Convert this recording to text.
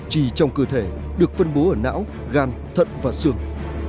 trì trong cơ thể được phân bố ở não gan thận và xương